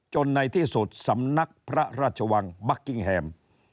ในที่สุดสำนักพระราชวังบัคกิ้งแฮม